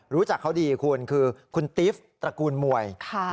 รู้จักเขาดีคุณคือคุณติฟตระกูลมวย